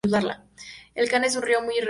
El Kan es un río muy irregular.